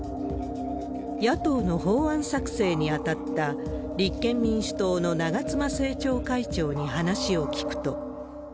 野党の法案作成に当たった、立憲民主党の長妻政調会長に話を聞くと。